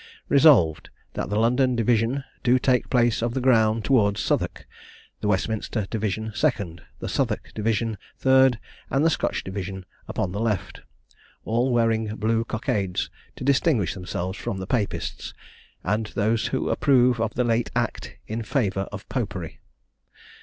"Resolved, That the London division do take place of the ground towards Southwark; the Westminster division second; the Southwark division third; and the Scotch division upon the left, all wearing blue cockades, to distinguish themselves from the papists, and those who approve of the late act in favour of popery.